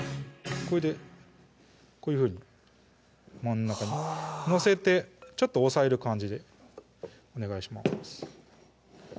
これでこういうふうに真ん中にはぁ載せてちょっと押さえる感じでお願いします